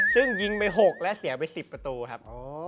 ซึ่งยิงไป๖และเสียไป๑๐ประตูครับ